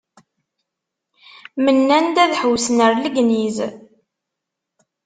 Mennan-d ad ḥewwsen ar Legniz.